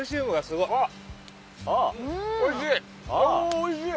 ・おいしい！